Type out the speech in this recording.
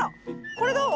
これどう？